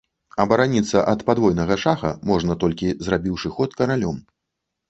Абараніцца ад падвойнага шаха можна толькі зрабіўшы ход каралём.